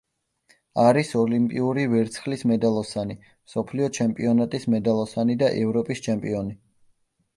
არის ოლიმპიური ვერცხლის მედალოსანი, მსოფლიო ჩემპიონატის მედალოსანი და ევროპის ჩემპიონი.